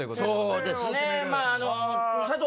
そうですね。